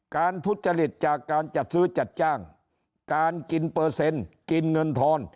ทุจริตจากการจัดซื้อจัดจ้างการกินเปอร์เซ็นต์กินเงินทอน